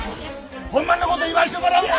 ホンマのこと言わしてもらうで！